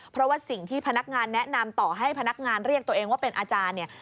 เพราะว่าสิ่งที่พนักงานแนะนำต่อให้พนักงานเรียกตัวเองว่าเป็นอาจารย์เนี่ย